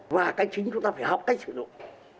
và cái chính chúng ta phải học cách sử dụng